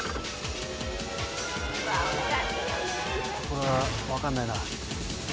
これは分かんないな。